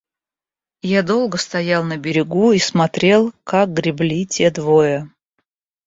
Я долго стоял на берегу и смотрел, как гребли те двое.